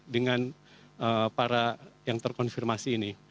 dengan para yang terkonfirmasi ini